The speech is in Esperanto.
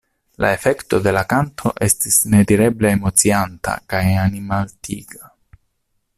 La efekto de la kanto estis nedireble emocianta kaj animaltiga.